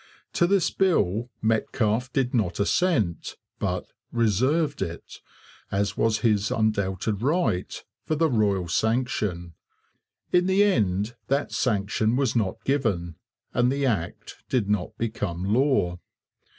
To this bill Metcalfe did not assent, but 'reserved' it, as was his undoubted right, for the royal sanction. In the end that sanction was not given, and the Act did not become law.